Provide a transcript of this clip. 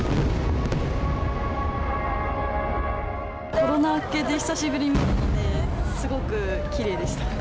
コロナ明けで久しぶりに見たので、すごくきれいでした。